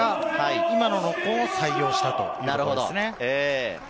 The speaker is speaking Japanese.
今のノックオンを採用したということですね。